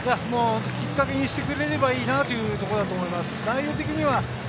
きっかけにしてくれればいいなというところだと思います。